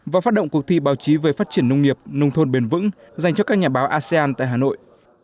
và phát động cuộc thi báo chí về phát triển nông nghiệp nông thôn bền vững dành cho các nhà báo asean tại hà nội